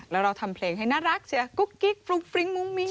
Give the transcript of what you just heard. แล้วเราทำเพลงให้น่ารักเชียร์กุ๊กกิ๊กฟรุ้งฟริ้งมุ้งมิ้ง